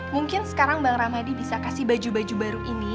mungkin sekarang bang ramadi bisa kasih baju baju baru ini